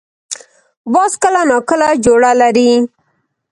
باز کله نا کله جوړه لري